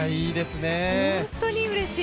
本当にうれしい。